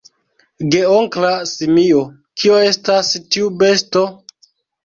Geonkla simio: "Kio estas tiu besto?"